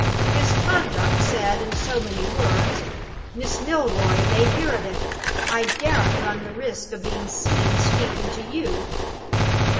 His conduct said in so many words, 'Miss Milroy may hear of it; I daren't run the risk of being seen speaking to you.